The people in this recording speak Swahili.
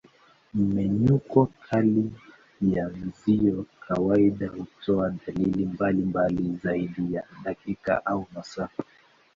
Mmenyuko kali ya mzio kawaida hutoa dalili mbalimbali zaidi ya dakika au masaa.